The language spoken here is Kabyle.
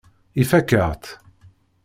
Ifakk-aɣ-tt.